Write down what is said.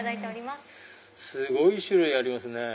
すごい種類ありますね。